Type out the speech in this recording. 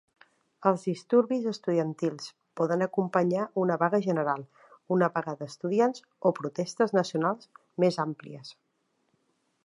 Els disturbis estudiantils poden acompanyar una vaga general, una vaga d'estudiants o protestes nacionals més àmplies.